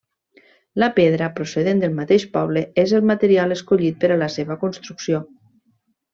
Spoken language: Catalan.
La pedra, procedent del mateix poble, és el material escollit per a la seva construcció.